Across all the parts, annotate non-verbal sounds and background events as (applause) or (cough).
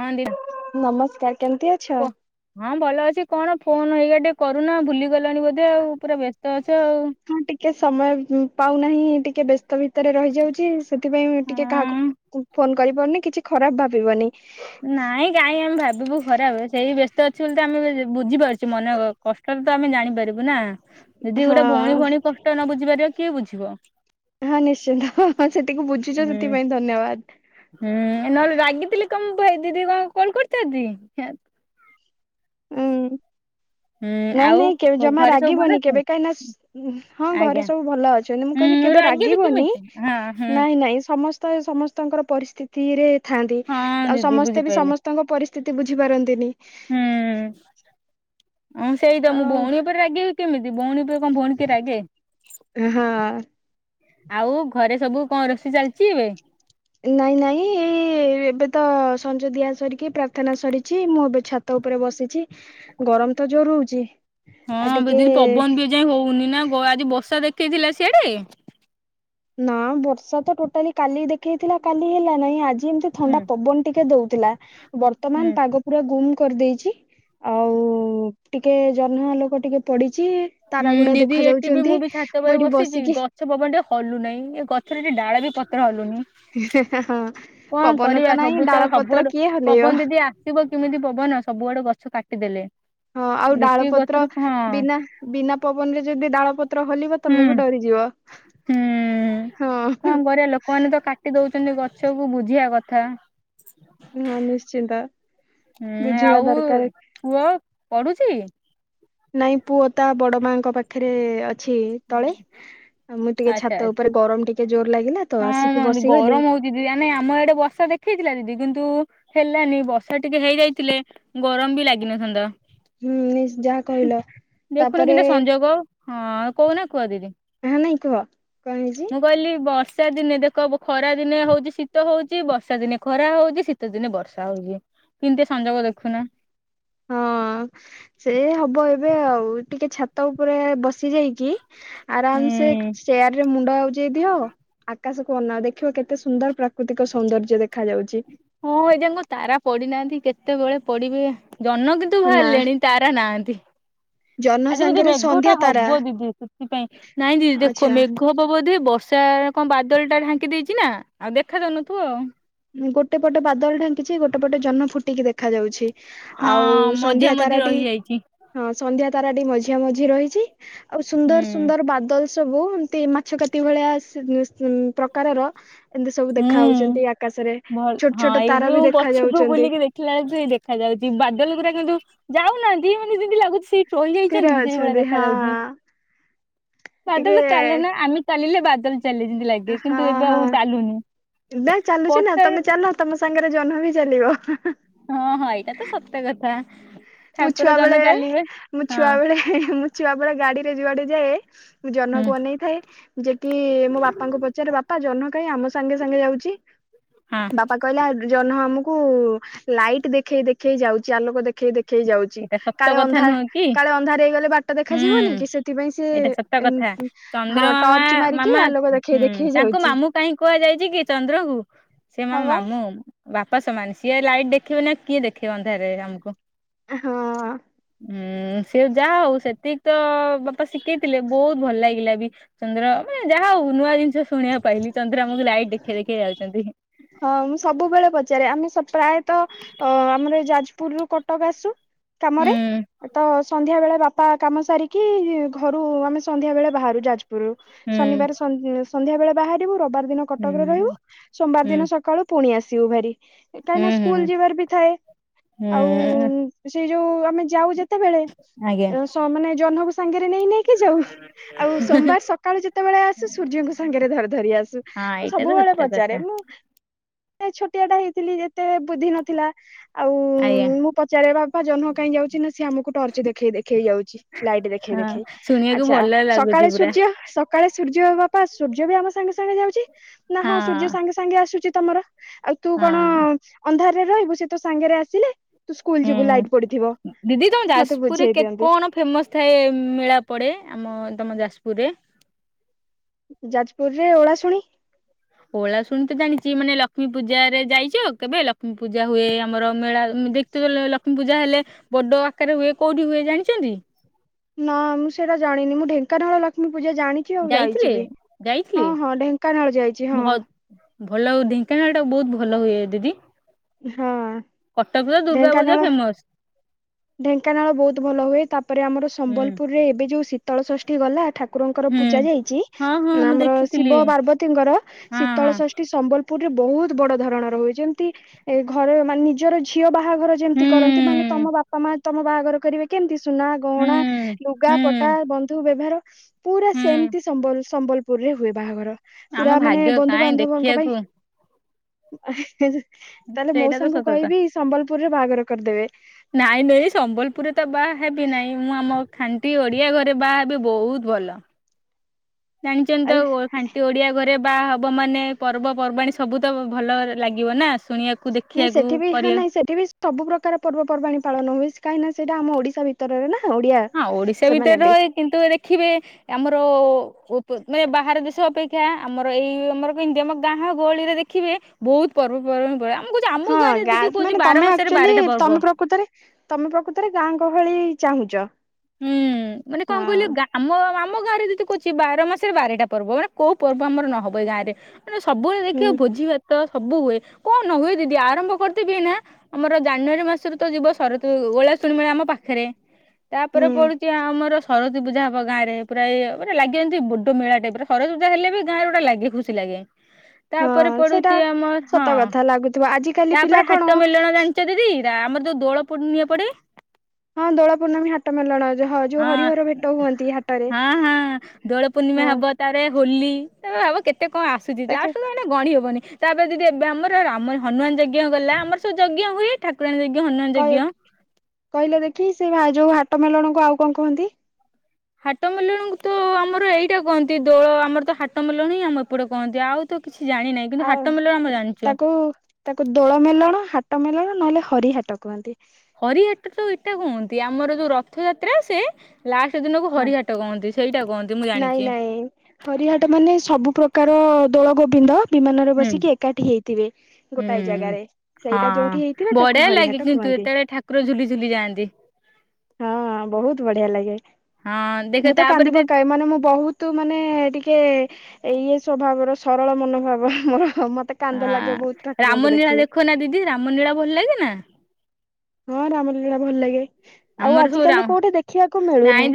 ହଁ ଦିଅ ନମସ୍କାର କେମିତି ଅଛ? ହଁ ଭଲ ଅଛି କଣ ଫୋନ ହେଇଗା ଟିକେ କରୁନ ଭୁଲିଗଲାଣି ବୋଧେ ଆଉ ପୁରା ବ୍ୟସ୍ତ ଅଛ ଆଉ ହଁ ଟିକେ ସମୟ ପାଉନାହିଁ ଟିକେ ବ୍ୟସ୍ତ ଭିତରେ ରହିଯାଉଛି। ସେଥିପାଇଁ ଟିକେ କାହାକୁ ହଁ। ଫୋନ କରିପାରୁନି କିଛି ଖରାପ ଭାବିବନି। ନାଇଁ କାହିଁ ଆମେ ଭାବିବୁ ଖରାପ ସେଇ ବ୍ୟସ୍ତ ଅଛି ବୋଲି ତ ଆମେ ବୁଝିପାରୁଛୁ ମନେ କ- କଷ୍ଟରେ ତ ଆମେ ଜାଣିପାରିବୁ ନା ଯଦି ହଁ ଗୋଟେ ଭଉଣୀ ଭଉଣୀ କଷ୍ଟ ନ ବୁଝି ପାରିବ କିଏ ବୁଝିବ। ହଁ ନିଶ୍ଚିନ୍ତ ସେତିକି ବୁଝିଛ ହୁଁ ସେଥିପାଇଁ ଧନ୍ୟବାଦ। ହୁଁ ନହେଲେ ରାଗିଥିଲି କଣ ଦିଦି କଣ କଲ କରିଥାନ୍ତି। ହୁଁ ହୁଁ ନାଇଁ ଆଉ ନାଇଁ କେ ଜମା ଘରେ ସବୁ ଭଲ ରାଗିବନି କେବେ ଅଛନ୍ତି? କାହିଁକି ନା ହଁ ଘରେ ଆଜ୍ଞା ସବୁ ଭଲ ଛନ୍ତି ମୁଁ କହିଲି ହୁଁ କେବେ ରାଗିବି ରାଗିବନି କେମିତି ହଁ ହୁଁ ନାଇଁ ନାଇଁ ସମସ୍ତେ ସ୍ତେ ସମସ୍ତଙ୍କର ପରିସ୍ଥିତିରେ ଥାଆନ୍ତି ହଁ ଆଉ ଦିଦି ସମସ୍ତେ ବି ବୁଝିପାରିଲି ସମସ୍ତଙ୍କ ପରିସ୍ଥି ସ୍ତିତି ବୁଝିପାରନ୍ତିନି। ହୁଁ ହଁ ସେଇ ତ ମୁଁ ଆଉ ଭଉଣୀ ଉପରେ ରାଗି କେମିତି ଭଉଣୀ ଉପରେ କଣ ଭଉଣୀ କେବେ ରାଗେ ହଁ ଅ ଆଉ ଘରେ ସବୁ କଣ ରୋଷେଇ ଚାଲିଛି ଏବେ? ନାଇଁ ନାଇଁ ଏଇ ଏବେ ତ ସଞ୍ଜ ଦିଆ ସରିକି ପ୍ରାର୍ଥନା ସରିଛି ମୁଁ ଏବେ ଛା ତ ଉପରେ ବସିଛି ଗରମ ତ ଜୋର ହଉଛି। ହଁ ଆଉ ଟିକେ ଦିଦି ପବନ ବି ଏ ଯାଏ ହଉନି ନା ଆଜି ବର୍ଷା ଦେଖେଇଥିଲା ସିଆଡେ ନା ବର୍ଷା ତ ଟୋଟାଲି କାଲି ଦେଖେଇଥିଲା କାଲି ହେଲା ନାହିଁ ଆଜି ଯେମତି ହୁଁ ଥଣ୍ଡା ପବନ ଟିକେ ଦଉଥିଲା ହୁଁ ବର୍ତ୍ତମାନ ପାଗ ପୁରା ଗୁମ କରିଦେଇଛି। ଆଉ ଟିକେ ଜହ୍ନ ଆଲୋକ ଟିକେ ପଡିଛି। ତାରା ହୁଁ ଗୁଡା ଦିଦି ଦେଖା ଏଠି ବି ମୁଁ ଯାଉଛନ୍ତି ବି ଛାତ ଉପରେ ମୁଁ ଏଠି ବସିଛି ବସିକି ଗ ଛ ପବନ ଟିକେ ହଲୁ ନାହିଁ ଏ ଗଛରେ ଟେ ଡାଳ ବି ପତ୍ର ହଲୁନି ହଁ କଣ ପବନ କରିବା ନାହିଁ ସବୁ ତ ଡାଳ ପତ୍ର ସବୁଆଡୁ କିଏ ହଲେଇବ ପବନ ଦିଦି ଆସିବ କେମିତି ପବନ ସବୁ ଆଡେ ଗଛ କାଟିଦେଲେ। ହଁ ଆଉ ଡାଳ ଯେତିକି ପତ୍ର ଗଛରୁ ହଁ ବିନା ବିନା ପବନରେ ଯଦି ଡାଳ ପତ୍ର ହଲିବ ହୁଁ ତମେ ବି ଡରିଯିବ ହଁ। ସେମାନେ ତ କାଟି ଦଉଚନ୍ତି ଗଛକୁ ବୁଝିବା କଥା। ହଁ ନିଶ୍ଚିନ୍ତ। ହୁଁ ବୁଝିବା ଆଉ ଦରକାର ପୁଅ ପଢୁଚି? ନାଇଁ ପୁଅ ତା ବଡମାଙ୍କ ପାଖରେ ଅ ଛି ତଳେ ଆଉ ମୁଁ ଟିକେ ଆଚ୍ଛା ଛାତ ଆଚ୍ଛା ଉପରେ ଗରମ ଟିକେ ଜୋର ଲାଗିଲା ତ ହଁ ମ ଆସିକି ଏନ୍ତି ବସିଗଲି ଗରମ ହଉ ଦିଦି ନା ନାଇଁ ଆମ ଏଡେ ବର୍ଷା ଦେଖେଇଥିଲା ଦିଦି କିନ୍ତୁ ହେଲାନି ବର୍ଷା ଟିକେ ହେଇଯାଇଥିଲେ ଗରମ ବି ଲାଗିନଥାନ୍ତା ହୁଁ ଯାହା କହିଲ ଦେଖୁନ ତାପରେ କେନ୍ତିଆ ସଂଯୋଗ ହଁ କହୁନା କୁହ ଦିଦି ହଁ ନାଇଁ କୁହ କଣ ହେଇଛି ମୁଁ କହିଲି ବର୍ଷ ବର୍ଷା ଦିନେ ଦେଖ ବ ଖରା ଦିନେ ହଉଚି ଶୀତ ହଉଚି ବର୍ଷା ଦିନେ ଖରା ହଉଚି ଶୀତ ଦିନେ ବର୍ଷା ହଉଚି। କେମିତିଆ ସଂଯୋଗ ଦେଖୁନା ହଁ ସେ ହବ ଏବେ ଆଉ ଟିକେ ଛାତ ଉପରେ ବସ ଆସି ଯାଇକି ଆରାମ ସେ ହୁଁ ଚେୟାରରେ ମୁଣ୍ଡ ଆଉଜେଇ ଦିଅ ଆ କାଶକୁ ଅନାଅ ଦେଖିବ କେତେ ସୁନ୍ଦର ପ୍ରାକୃତିକ ସୌନ୍ଦର୍ଯ୍ୟ ଦେଖାଯାଉଚି। ହଁ ଏଯାଙ୍କୁ ତାରା ପଡିନାହାନ୍ତି କେତେବେଳେ ପଡିବେ ଜହ୍ନ କିନ୍ତୁ ନା ବାହାଲେଣି। ତାରା ନାହାଁନ୍ତି। ଜହ୍ନ ଆଜି ବୋଧେ ସାଙ୍ଗରେ ମେଘଟା ସନ୍ଧ୍ୟା ତାରା ହବ ଦିଦି ସେଥିପାଇଁ ନାଇଁ ଦିଦି ଦେଖ ଆଚ୍ଛା ମେଘ ଘ ହବ ବୋଧେ ବର୍ଷା କଣ ବାଦଲଟା ଢାଙ୍କି ଦେଇଚି ନା ଆଉ ଦେଖା ଦଉନଥିବ ଆଉ। ଗୋଟେ ପଟେ ବାଦଲ ଢାଙ୍କିଚି ଗୋଟେ ପଟେ ଜହ୍ନ ଫୁଟିକି ଦେଖାଯାଉଛି। ଆଉ ହଁ ମଝିଆ ସନ୍ଧ୍ୟା ମଝି ତାରାଟି ରହିଯାଇଛି। ହଁ ସନ୍ଧ୍ୟା ତାରାଟି ମଝିଆ ମଝି ରହିଛି ଆଉ ସୁନ୍ଦର ହୁଁ ସୁନ୍ଦର ବାଦଲ ସବୁ ଏମତି ମାଛ କାତି ଭଳିଆ ସ ପ୍ରକାରର ଏମିତି ସବୁ ଦେଖା ହଉଚନ୍ତି ଆ ଭଲ୍ ହଁ ଏଇ ଵ୍ଲୁ୍ମ ମୁଁ ପଛୁକୁ ଯାଉଛନ୍ତି ବୁଲିକି ଦେଖିଲା ବେଳଠୁ ଏଇ ଦେଖାଯାଉଚି ବାଦଲ ଗୁରା କିନ୍ତୁ ଯାଉନାନ୍ତି ମାନେ ଯେମିତି ଲାଗୁଚି ସେଇ ସ୍ଥିର ରହିଯାଇଛନ୍ତି କି ସେଇଭଳିଆ ଅଛନ୍ତି ହଁ ଦେଖାଯାଉଚି ହଁ। ଟିକେ ଵାଦଲ ତ ଚାଲେ ନା ଆମେ ଚାଲିଲେ ବାଦଲ ଚାଲେ ଯେମିତି ଲାଗେ କିନ୍ତୁ ଏବେ ଆଉ ଚାଲୁନି। ଦେ ଚାଲୁଚି ନା ବର୍ଷା ତମେ ଚାଲ ତମ ସାଙ୍ଗେରେ ଜହ୍ନ ବି ଚାଲିବ। ହଁ ହଁ ଏଇଟା ତ ସତ କଥା। ମୁଁ ଠାକୁର ଛୁଆ ଜନ ବେଳେ ଚାଲିବେ ମୁଁ ହଁ ଛୁଆ ବେଳେ ମୁଁ ଛୁଆ ବେଳେ ଗାଡିରେ ଯୁଆଡେ ଯାଏ ମୁଁ ହୁଁ ଜହ୍ନକୁ ଅନେଇଥାଏ ଯେକି ମୋ ବାପାଙ୍କୁ ପଚାରେ ବାପା ଜହ୍ନ କାଇଁ ଆମ ସାଙ୍ଗେ ସାଙ୍ଗେ ଯାଉଚି? ହଁ। ବାପା କଇଲା ଜହ୍ନ ଆମୁକୁ ଲାଇଟ୍ ଦେଖେଇ ଦେଖେଇ ଯାଉଚି ଆଲୋକ ଦେଖ୍ ଦେଖେଇ ଦେଖେଇ ଯାଉଚି ଏଇଟା ସତ କାଳେ କଥା ଅନ୍ଧା ନୁହଁ କି? କାଳେ ଅନ୍ଧାର ହେଇଗଲେ ବାଟ ଦେଖାଯିବନି ହୁଁ କି ସେଥିପାଇଁ ସେ ଏଇଟା ସତ କଥା। ଏମ୍ମ୍ ହଁ ଚନ୍ଦ୍ରମାମା ଟର୍ଚ ମାରିକି ମାମା ମାମା ଆଲୋକ ଦେଖେଇ ହୁଁ ଦେଖେଇ ତାଙ୍କୁ ଯାଉଚି। ମାମୁଁ କାହିଁ କୁହାଯାଇଚି କି ଚନ୍ଦ୍ର କୁ ସେ ମା ହଁ ବା ମାମୁଁ। ବାପା ସମାନ୍ ସିଏ ଲାଇଟ୍ ଦେଖେବେନି ଆଉ କିଏ ଦେଖେଇ ଅନ୍ଧାରରେ ଆମକୁ। ଆ ହଁ ଉଁ ସିଏ ଯା ହୋଉ ସେତିକି ତ ବାପା ଶିକେଇଥିଲେ, ବୋହୁତ ଭଲ୍ ଲାଗିଲା ବି ଚନ୍ଦ୍ର ମାନେ ଯାହା ହୋଉ ନୂଆ ଜିନିଷ ଶୁଣିଆକୁ ପାଇଲି ଚନ୍ଦ୍ରା ଆମୁକୁ ଲାଇଟ୍ ଦେଖେଇ ଦେଖେଇ ଯାଉଚନ୍ତି। ହଁ ମୁଁ ସବୁବେଳେ ପଚାରେ ଆମେ ସଵ୍ ପ୍ରାଏତ ଅଁ ଆମର ଏ ଯାଜପୁର ରୁୁ କଟକ ଆସୁ ହୁଁ କାମରେ ତ ସନ୍ଧ୍ୟା ବେଳେ ବାପ ପା କାମ ସାରିକି ଘରୁ ଆମେ ସନ୍ଧ୍ୟା ବେଳେ ଭାରୁ ଯାଜପୁର ରୁ ହୁଁ ଶନିବାରେ ସନ୍ ସନ୍ଧ୍ୟା ବେଳେ ବାହାରିବୁ ରବବାର ଦିନ ହୁଁ କଟକରେ ରହିବୁ ସୋମବାର ହୁଁ ଦିନ ସକାଳୁ ପୁଣି ଆସିବୁ ଭାରି। କାହିଁ ହୁଁ ନା ହୁଁ ସ୍କୁଲ ଯିବାର ବି ଥାଏ ଆଉ ହୁଁ ସେ ଯୋଉ ଆମେ ଯାଉ ଯେତେବେଳେ ଆଜ୍ଞା ଅଁ ସ ମାନେ ଜହ୍ନକୁ ସାଙ୍ଗେରେ ନେଇ ନେଇକି ଯାଉ ଆଉ ସୋମବାର ସକାଳୁ ଯେତେବେଳେ ଆସୁ ସୂର୍ଯ୍ୟଙ୍କୁ ସାଙ୍ଗେରେ ଧରି ଧରି ଆସୁ। ହଁ ମୁଁ ଏଇଟା ତ ସବୁବେଳେ ସତ ପଚାରେ କଥା ମୁଁ ଏ ଛୋଟିଆ ଟା ହେଇଥିଲି ଯେତେ ବୁଦ୍ଧି ନଥିଲା। ଆଉ ଆଜ୍ଞା। ମୁଁ ପଚାରେ ବାପା ଜହ୍ନ କାହିଁ ଯାଉଚି ନା ସିଏ ଆମୁକୁ ଟର୍ଚ ଦେଖେଇ ଦେଖେଇ ଯାଉଚି। ଲାଇଟ୍ ଦେଖେଇ ହଁ ଦେଖେଇ। ଶୁଣିବାକୁ ଆଚ୍ଛା ଭଲ ଲାଗୁଛି ସକାଳେ ପୁରା ସୂର୍ଯ୍ୟ ସ ସକାଳେ ସୂର୍ଯ୍ୟ ବାପା ସୂର୍ଯ୍ୟ ବି ଆମ ସାଙ୍ଗେ ସାଙ୍ଗେ ଯାଉଚି? ନା, ହଁ, ସୂର୍ଯ୍ୟ ସାଙ୍ଗେ ସାଙ୍ଗେ ଆସୁ ଚି ତମର ଆଉ ତୁ କଣ ହଁ ଅନ୍ଧାରରେ ରହିବୁ ସେ ତୋ ସାଙ୍ଗେରେ ଆସିଲେ ତୁ ସ୍କୁଲ ଯିବୁ ଲାଇଟ୍ ପଡିଥିବ ହୁଁ, ଦିଦି ତମ ମତେ ଯାସ୍ପୁରରେ ବୁଝେଇ କେତ୍ ଦିଅନ୍ତି କଣ ଫେମସ୍? ଥାଏ, ମେଳା ପଡ଼େ ଆମ ତମ ଯାପୁରରେ? ଯାଜପୁର ରେ ଓଳାଶୁଣି। ଓଳାଶୁଣି ତ ଜାଣିଚି, ମାନେ ଲକ୍ଷ୍ମୀ ପୂଜାରେ କେବେ? ଲକ୍ଷ୍ମୀ ପୂଜା ହୁଏ ଆମର ମେଳା ଉଁ ଦେଖଥିଵ ଲକ୍ଷ୍ମୀ ପୂଜା ହେଲେ ବଡ଼ ଆକାରରେ ହୁଏ କୋଉଠି ହୁଏ ଜାଣିଚନ୍ତି? ନା, ମୁଁ ସେଇଟା ଜାଣିନି ମୁଁ ଢେଙ୍କାନାଳ ଲକ୍ଷ୍ମୀ ପୂଜା ଜାଣିି କି ଆଉ ଯାଇଥିଲେ ଯାଇଚି ବି ଯାଇଥିଲେ ହଁ, ହଁ ଢେଙ୍କାନାଳ ଯାଇଚି ଭ ହଁ। ଭଲ ହୋଉ ଢେଙ୍କାନାଳ ଟା ବୋହୁତ ଭଲ ହୁଏ, ଦିଦି। ହଁ କଟକ୍ ର ଦୁର୍ଗା ଢେଙ୍କାନାଳ ପୂଜା ଫେମସ୍। ଢେଙ୍କାନାଳ ବହୁତ ଭଲ ହୁଏ, ତାପରେ ଆମର ହୁଁ ସମ୍ବଲପୁରରେ ଏବେ ଯୋଉ ଶୀତଳ ଷଷ୍ଠୀ ଗଲା ଠାକୁ କୁରଙ୍କର ହୁଁ ପୂଜା ଯାଇଚି ହଁ ହଁ ମୁଁ ଆମର ଦେଖିଥିଲି ଶିବ, ପାର୍ବତୀଙ୍କର ହଁ ଶୀତଳ ହଁ ଷଷ୍ଠୀ ସମ୍ବଲପୁରରେ ବହୁତ ବଡ ଧରଣର ହୁଏ, ଯେମତି ଏ ଘରର ମାନେ ନିଜର ଝିଅ ବାହାଘର ଯେମତି କରନ୍ତି, ମାନେ ହୁଁ ତମ ବାପା ମା ତମ ବାହାଘର କରିବେ କେମତି ସୁନା, ହୁଁ ଗହଣା, ଲୁଗା ହୁଁ ପଟା, ବନ୍ଧୁ, ବେଭାର ପୁରା ହୁଁ ସେମତି ସମ୍ବଲ ସମ୍ବଲପୁରରେ ହୁଏ ବାହାଘର। ଆମ ପୁରା ମାନେ ଭାଗ୍ୟ ବନ୍ଧୁ କାହିଁ ବାନ୍ଧବଙ୍କ ପାଇଁ ଦେଖିବାକୁ ଆ ହେଁ ହେଁ ତାହେଲେ ସେଇଟା ତ ମୋଉସାଙ୍କୁ ସତକଥା କହିବି ସମ୍ବଲପୁରରେ ବାହାଘର କରିଦେବେ। ନାଇ ନେଇ ସମ୍ବଲପୁରରେ ତ ବା ହେବିନାଇଁ ମୁଁ ଆମ ଖାଣ୍ଟି ଓଡିଆ ଘରେ ବାହା ହେବି ବୋହୁତ୍ ଭଲ। ଜାଣିଚନ୍ତ ଆଉ ଖାଣ୍ଟି ଓଡିଆ ଘରେ ବା ହବ ମାନେ ପର୍ବପର୍ବାଣିୀ ସବୁ ତ ଭଲ ଲାଗିବ ନା ଶୁଣିଆକ୍ ନାଇ ସେଠି ବି ହାଁ ନାଇଁ ସେଠି ବି ସବୁ ପ୍ରକାର ପର୍ବପର୍ବାଣଣି ପାଳନ ହୁଏ, କାହିଁକିନା ସେଟା ଆମ ଓଡିଶା ଭିତ୍ ଉତ୍ତରରେ ନା ଓଡିଆ ହଁ ଓଡିଶା ଭିତରେ ସେମାନେ ବି। ରହେ କିନ୍ତୁ ଦେଖିବେ ଆମର ମାନେ ବାହାର ଦେଶ ଅପେକ୍ଷା ଆମର ଏଇ ଆମର କେତି ଆମ ଗାଁ ଗହଳିରେ ଦେଖିବେ ବହୁତ ପର୍ବପର୍ବା ହଁ ଗା ମାନେ ତମେ ଆକ୍ଚୁଆଲି ବାରଟା ପର୍ବ ତମେ ପ୍ରକୃତରେ ତମେ ପ୍ରକୃତରେ ଗାଁ ଗହଳି ଚାହୁଁଛ ହୁଁ ମାନେ କଣ ହଁ କହିଲେ ଗାଁ ଆମ ଆମ ଗାଁରେ ଯଦି କହୁଛି ବାର ମାସରେ ବାରଟା ପର୍ବ ମାନେ କୋଉ ପର୍ବ ଆମର ନହବ ଏଇ ଗାଁରେ ନେ ସବୁବେଳେ ଦେଖିବ ହୁଁ ଭୋଜି ଭାତ ସବୁ ହୁଏ କଣ ହୁଏ ଦିଦି ଆରମ୍ଭ କରିଦେବି ଏଇନା ଆମର ଜାନୁଆରୀ ମାସରୁ ତ ଯିବ ସରତ ଓଳା ଶୁଣି ମେଳା ଆମ ପାଖରେ ତାପରେ ହୁଁ ପଡୁଛି ଆମର ସର ସରସ୍ବତୀ ପୂଜା ହବ ଗାଁରେ ପୁରା ମାନେ ଲାଗିବ ବଡ ମେଳା ଟାଇପ ସରସ୍ବତୀ ପୂଜା ହେଲେ ବି ଗାଁରେ ଗୋଟେ ଲାଗେ ଖୁସି ଲାଗେ ତାପରେ ହଁ ସେଟା ପଡୁଛି ଆମର ହଁ ସତ କଥା ଲାଗୁଥିବ ଆଜିିକାଲି ପିଲା କଣ ଆଚଛା ଦି ଆମର ଯୋଉ ଦୋଳ ପୁର୍ଣିମା ପଡେ ହଁ ଦୋଳ ପୂର୍ଣ୍ଣମୀ ହାଟ ମେଲଣ ହ ହଁ ହଁ ହଁ ଦୋଳ ପୂର୍ଣ୍ଣିମା ହଁ ହବ ତାରେ ହୋଲି ତ ହବ କେତେ କଣ ଆସୁଛି ତାକେ ଲାଷ୍ଟ ନେ ଗଣି ହବନି ତାପରେ ଦିଦି ଏବେ ଆମର ରାମ ହନୁମାନ ଯଜ୍ଞ ଗଲା ଆମର ସବୁ ଯଜ୍ଞ ହୁଏ ଠାକୁରାଣୀ ଯଜ୍ଞ, ହନୁମାନ ଯଜ୍ଞ କହିଲେ ଦେଖି ସେ ଯୋଉ ହାଟ ମେଲଣକୁ ଆଉ କଣ କହନ୍ତି? ହାଟ ମେଲଣି କୁ ତ ଆମର ଏଇଟା କହନ୍ତି ଦୋଳ ଆମର ତ ହାଟ ମେଲଣି ହିଁ ଆମ ଏପଟେ କହନ୍ତି ଆଉ ତ କିଛି ଜାଣିିନାଇ କିନ୍ତୁ ଆଉ ହାଟ ମେଲଣି ଆମ ଜାଣିଛୁ। ତାକୁ ତାକୁ ଦୋଳ ମେଲଣ, ହାଟ ମେଲଣ, ନହେଲେ ହରି ହାଟ କୁହନ୍ତି। ହରିହାଟ ତ ଏଇଟା କୁହନ୍ତି ଆମର ଯୋଉ ରଥଯାତ୍ରା ଆସେ ଲାଷ୍ଟ ଦିନକୁ ହଁ ହରିହାଟ କହନ୍ତି ସେଇଟା କହନ୍ତି ମୁଁ ନାଇଁ ଜାଣିଛି। ନାଇଁ ହରିହାଟ ମାନେ ସବୁ ପ୍ରକାର ଦୋଳ ଗୋବିନ୍ଦ ବିମାନରେ ହୁଁ ବସିକି ଏକାଠି ହେଇଥିବେ ଗୋଟାଏ ହୁଁ ଜାଗାରେ ସେଇଟା ଯୋଉଠି ହେଇଥିଲା ତାକୁ ହରିହାଟ କୁହ ଯେତେ--ଳେ ଠାକୁର ଝୁଲିଝୁଲି ଯାଆନ୍ତି। ହଁ ଦେଖ ମୁଁ ତ ତାପରେ କାନ୍ଦି ଦିଦି ପକାଏ ମାନେ। ମାନେ ମୁଁ ବହୁତ୍ ତୁ ମାନେ ଟିକେ ଇଏ ସ୍ଵଭାବର ସରଳ ମନୋଭାବ ମୋର। ମତେ କାନ୍ଦ ଲାଗେ ବହୁତ୍, ଠାକୁରଙ୍କୁ ଦେଖିଲେ। ଖ ନା ଦିଦି, ରାମ ନୀଳା ଭଲ୍‌ ଲାଗେ ନା। ହଁ ରାମ ଲୀଳା ଭଲ୍‌ ଲାଗେ, ଆଉ ଆମର ସବୁ ଆଜିକାଲି କଉଠି ଦେଖିବାକୁ ମିଳୁନି।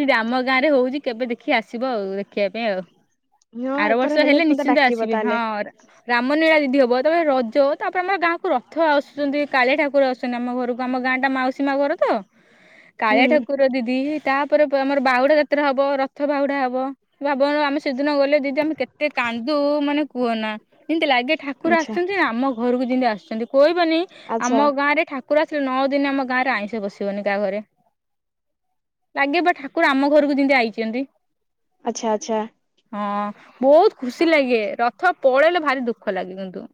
ଗାଁରେ ହଉଚି, କେବେ ଦେଖି ଆସିବ ଆଉ ଦେଖିବା ପାଇଁ ଆଉ। ହଁ ଆର ଏଥର ବର୍ଷ ହେଲେ, ମତେ ନିଶ୍ଚିନ୍ତ ଡାକିବ ଆସିବେ ହଁ। ତାହେଲେ। ରାମ ନୀଳା ଦିଦି ହବ, ତା'ପରେ ରଜ ତା'ପରେ ଆମ ଗାଁ କୁ ରଥ ଆ--ଚନ୍ତି। କାଳିଆ ଠାକୁର ଆମ ଘରକୁ, ଆମ ଗାଁ ଟା ମାଉସୀ ମା ଘର ତ। ହୁଁ କାଳିଆ ଠାକୁର ଦିଦି ତା'ପରେ ଆମର ବାହୁଡ଼ା ଯାତ୍ରା ହବ, ରଥ ବାହୁଡ଼ା ହବ। ସେଦିନ ଗଲେ ଦିଦି ଆମେ କେତେ କାନ୍ଦୁ ମାନେ କୁଅନା, ନ୍ତି ଲାଗେ ଠାକୁର ଆଚ୍ଛା ଆସ୍‌ଚନ୍ତି। ଆମ ଘରକୁ ଜିନ୍ତି ଆସ୍ଚନ୍ତି, ଇବନି ଆମ ଆଚ୍ଛା ଗାଁ ରେ ଠାକୁର ଆସିଲେ। ନଅ ଦିନି ଆମ ଗାଁରେ ଆଇଁଷ ନି କାଆ ଘରେ, ଲାଗେ ବା ଠାକୁର ଆମ ଘରକୁ ଜିନ୍ତି ଆଇଚିନ୍ତି। ଆଚ୍ଛା ଆଚ୍ଛା। ହଁ ବହୁତ୍ ଖୁସି ଲାଗେ, ରଥ ପଳେଇଲେ ଭାରି ଦୁଃଖ ଲାଗେ କିନ୍ତୁ।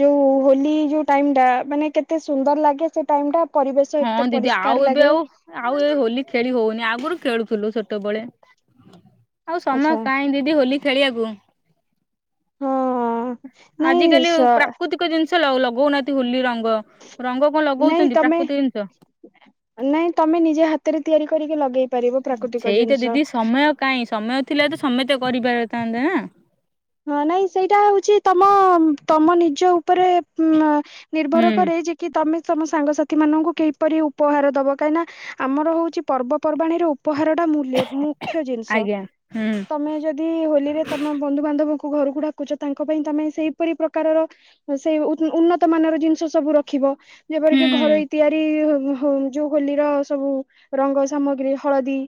ଯଉ ହୋଲି ଯଉ ଟାଇମ୍ ଟା, ମାନେ କେତେ ସୁନ୍ଦର୍ ଲାଗେ ସେ ଟାଇମ୍ ଟା। ପରିବେଶ ହଁ ଏତେ ଦିଦି, ପରିଷ୍କାର ଆଉ ଏବେ ଲାଗେ ଆଉ ଆଉ ଏ ହୋଲି ଖେଳି ହଉନି, ଆଗୁରୁ ଖେଳୁ ଥୁଲୁ ସେତବଳେ। ଆଉ ଆଚ୍ଛା ସମୟ କାହିଁ ଦିଦି ହୋଲି (inaudible) ହଁ (inaudible) ଜିନ୍‌ଷ ଲଗଉ ନାହାନ୍ତି ହୋଲି ରଙ୍ଗ, ରଙ୍ଗ କ ନାଇଁ ଲଗଉଚନ୍ତି, ତମେ ପ୍ରାକୃତି ଜିନ୍‌ଷ? ନାଇଁ ତମେ ନିଜେ ହାତେରେ ତିଆରି କରିକି, ଲଗେଇ ପାରିବ ପ୍ରାକୃତିକ ଜିନ୍‌ଷ। କାଇଁ ସମୟ ଥିଲା ତ ସମେତେ କରି ପା--ଥାନ୍ତେ ନା। ହଁ ନାଇଁ, ସେଇଟା ହଉଚି ତମ ତମ ନିଜ ଉପରେ। ନିର୍ଭର ହୁଁ କରେ କି ତମେ ତମ ସାଙ୍ଗସାଥି ମାନଙ୍କୁ ପରି ଉପହାର ଦବ। କାହିଁ ନା ଆମର ହଉଚି ପର୍ବ ପର୍ବାଣୀ ରୁ ଉପହାର ଟା ମୂଲ୍ୟ ମୁଖ୍ୟ ଜିନ୍‌ଷ। ଆଜ୍ଞା ହୁଁ ତମେ ଯଦି ହୋଲିରେ ତମ ବନ୍ଧୁ ବାନ୍ଧବ ଘରୁକୁ ଡ଼ାକୁଚ, ତାଙ୍କ ପାଇଁ ତମେ ସେଇ ପରି ପ୍ରକାରର ସେଇ ଉନ୍ନତ ମାନର ଜିନ୍‌ଷ ସବୁ ରଖିବ। ହୁଁ ଯେପରିକି ଘରୋ ତିଆରି ଯଉ ହୋଲିର ସବୁ ରଙ୍ଗ ସାମଗ୍ରୀ ହଳଦୀ।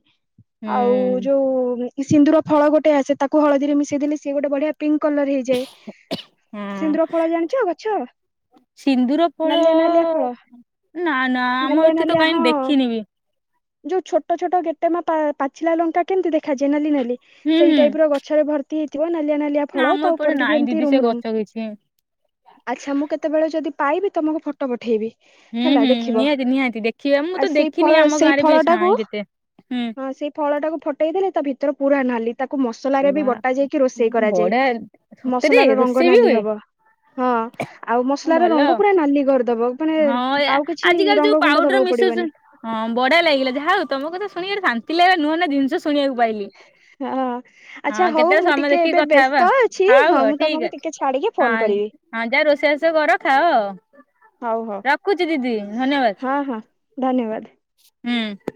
ଆଉ ହୁଁ ଯଉ ସିନ୍ଦୁର ଫଳ ଗୋଟେ ଆସେ, ତାକୁ ହଳଦୀ ରେ ମିଶେଇ ଦଲେ। ସିଏ ଗୋଟେ ବଢ଼ିଆ ପିଙ୍କ୍ କଲର୍ ହେଇଯାଏ। ହଁ ସିନ୍ଦୁର ଫଳ ଜାଣିଚ ଗଛ? ସିନ୍ଦୁର ଫଳ, ନାଲିଆ ନାଲିଆ ଫଳ ନା ନା ଆମ ଏଠି ତ କାଇଁ ଦେଖିନି ବି। ଯଉ ଛୋଟ ଛୋଟ ଗେଟେମା ପାଚିଲା ଲଙ୍କା କେମ୍ତି ଦେଖାଯାଏ? ନାଲି ନାଲି ହୁଁ ସେଇ ହୁଁ ଟାଇପ୍ ର ଗଛରେ ନାଲିଆ ନାଲିଆ ନା ଫଳ, ଆମ ତା' ଏପଟେ ଉପରେ ଟିକେ ନାଇଁ ଏମ୍ତି ଦିଦି ସେ ରୁମ୍ ରୁମ୍। ଗଛ କିଛି ଆଚ୍ଛା, ମୁଁ କେତେବେଳେ ଯଦି ପାଇବି। ତମକୁ ଫ ଟ ପଠେଇବି, ହୁଁ ହେଲା ହୁଁ ଦେଖିବ। ନିହାତି ନିହାତି ଦେଖିବା ମୁଁ ତ ସେଇ ଫଳ ଦେଖିନି ଆମ ସେଇ ଗାଁରେ ବି ଫଳଟାକୁ ନାହିଁ କେତେ ହୁଁ ହଁ ସେଇ ଫଳ ଟାକୁ ଫଟେଇ ଦେଲେ, ତା ଭିତର ପୁରା ନାଲି। ତାକୁ ମସଲାରେ ବି ବା ବଟା ଯା ରୋଷେଇ କରାଯାଏ, ବଢିଆ ସତରେ ମସଲା ର ରଙ୍ଗ ରୋଷେଇ ବି ନାଲି ହୁଏ ହବ। ହଁ, ଆଉ ମସଲା ର ଭଲ ଆଉ ରଙ୍ଗ ପୁରା ନାଲି କର୍ ଦବ, ମାନେ ହଁ ୟା ଆଉ କିଛି ଆଜିକାଲି ଯୋଉ ରଙ୍ଗ ଗୁଣ୍ଡ ପାଉଡର ଦବାକୁ ପଡ଼ିବନି। ମିଶଉଛନ୍ତି ହଁ ବଢ଼ିଆ ଲାଗିଲା, ଯାହା ହଉ ତମ କଥା ଶୁଣିକି ଶାନ୍ତି ଲାଗିଲା, ନୂଆ ନୂଆ ଜିନ୍‌ଷ ଶୁଣିବାକୁ ପାଇଲି। (inaudible) ଆଚ୍ଛା ହଁ ହଉ, କେତେବେଳେ ମୁଁ ସମୟ ଟିକେ ଦେଖିକି ଏବେ କଥା ହବା ବ୍ୟସ୍ତ ଅଛି, ହଉ ହଁ ହଉ ମୁଁ ଠିକ ତମକୁ ଟିକେ ଛାଡ଼ିକି ଫୋନ୍‌ ଅଛି ହଁ। କରିବି। ହଁ ଯା ରୋଷେଇ ବାସ କର, ଖାଅ ଆ। ହଉ ହଉ ରଖୁଛି ଦିଦି, ହଁ ହଁ ଧନ୍ୟବାଦ। ଧନ୍ୟବାଦ୍‌।